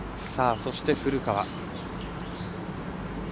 そして、古川。